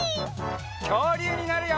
きょうりゅうになるよ！